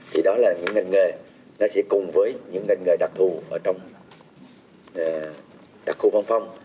thì đó là những ngành nghề nó sẽ cùng với những ngành nghề đặc thù ở trong đặc khu văn phong